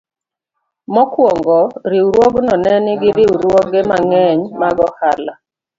Mokwongo, riwruogno ne nigi riwruoge mang'eny mag ohala.